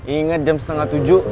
ingat jam setengah tujuh